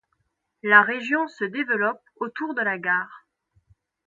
La région se développe autour de la gare.